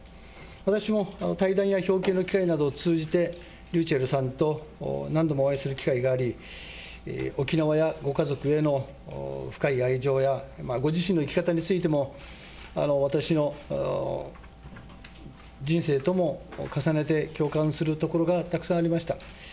私も対談や表敬の機会などを通じて、ｒｙｕｃｈｅｌｌさんと何度もお会いする機会があり、沖縄やご家族への深い愛情や、ご自身の生き方についても、私の人生とも重ねて共感するところがたくさんありました。